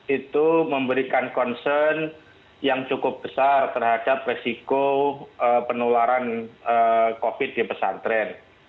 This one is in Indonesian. itu memberikan concern yang cukup besar terhadap resiko penularan covid di pesantren